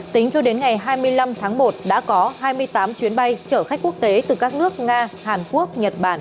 tính cho đến ngày hai mươi năm tháng một đã có hai mươi tám chuyến bay chở khách quốc tế từ các nước nga hàn quốc nhật bản